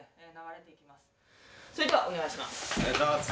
それではお願いします。